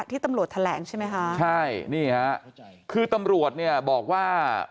ที่ตำรวจแถลงใช่ไหมคะใช่นี่ฮะคือตำรวจเนี่ยบอกว่า